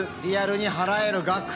リアルに払える額。